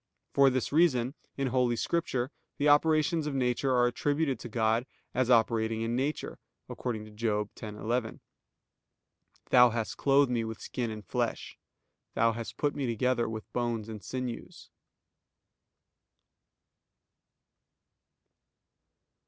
For this reason in Holy Scripture the operations of nature are attributed to God as operating in nature, according to Job 10:11: "Thou hast clothed me with skin and flesh: Thou hast put me together with bones and sinews."